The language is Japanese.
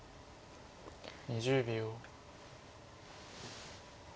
２０秒。